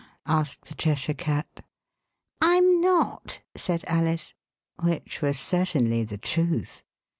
" asked the Cheshire Cat. Tm not," said Alice. Which was certainly the truth.